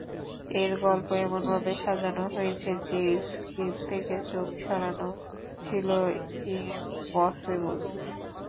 এর গল্প এমনভাবে সাজানো হয়েছে যে স্ক্রীন থেকে চোখ সরানো ছিল ইম্পসিবল।